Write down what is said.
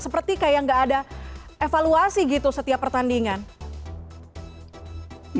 seperti tidak ada evaluasi setiap pertandingan